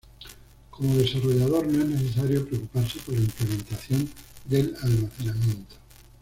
Como desarrollador no es necesario preocuparse por la implementación del almacenamiento.